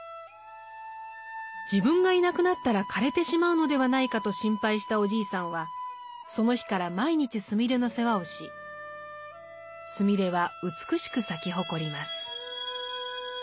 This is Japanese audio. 自分がいなくなったら枯れてしまうのではないかと心配したおじいさんはその日から毎日スミレの世話をしスミレは美しく咲き誇ります。